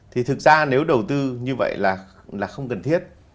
thì thực ra nếu đầu tư như vậy là không cần thiết